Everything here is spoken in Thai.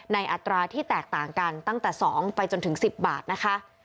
อัตราที่แตกต่างกันตั้งแต่๒ไปจนถึง๑๐บาทนะคะ